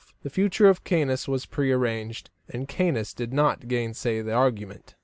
The future of Caius was prearranged, and Caius did not gainsay the arrangement.